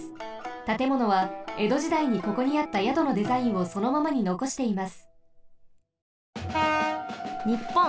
たてものはえど時代にここにあった宿のデザインをそのままにのこしています。